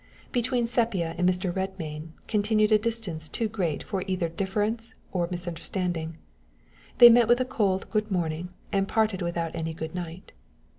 Between Sepia and Mr. Redmain continued a distance too great for either difference or misunderstanding. They met with a cold good morning, and parted without any good night.